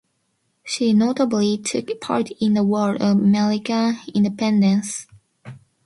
She notably took part in the War of American Independence.